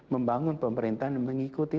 membangun pemerintahan yang mengikuti